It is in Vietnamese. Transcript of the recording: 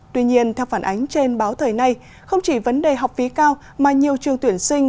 tuy nhiên theo phản ánh trên báo thời nay không chỉ vấn đề học phí cao mà nhiều trường tuyển sinh